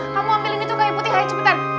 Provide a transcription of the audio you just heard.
kamu ambil ini tuh kaya putih kaya cipitan